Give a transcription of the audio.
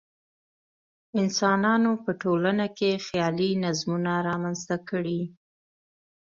انسانانو په ټولنو کې خیالي نظمونه رامنځته کړي.